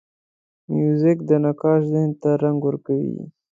موزیک د نقاش ذهن ته رنګ ورکوي.